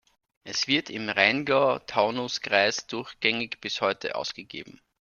Es wird im Rheingau-Taunus-Kreis durchgängig bis heute ausgegeben.